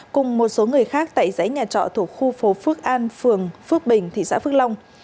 cùng một số người khác tại dãy nhà trọ thuộc khu phố phước an phường phước bình thị xã phước long